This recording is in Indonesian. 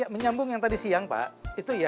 menyambung yang tadi siang pak itu ya